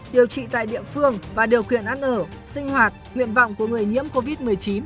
điều trị tại địa phương và điều kiện ăn ở sinh hoạt nguyện vọng của người nhiễm covid một mươi chín